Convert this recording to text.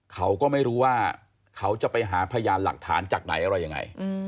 เขาก็ไม่รู้ว่าเขาจะไปหาพยานหลักฐานจากไหนอะไรยังไง